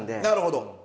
なるほど。